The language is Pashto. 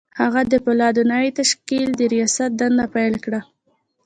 هغه د پولادو د نوي تشکيل د رياست دنده پيل کړه.